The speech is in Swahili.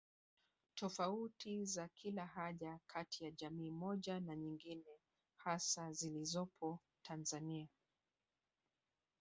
Tofauti za kilahaja kati ya jamii moja na nyingine hasa zilizopo Tanzania